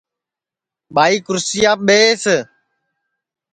ٻائی کُرسیاپ ٻیس